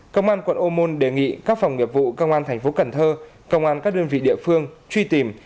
công an quận ô môn đề nghị các phòng nghiệp vụ công an thành phố cần thơ công an các đơn vị địa phương truy tìm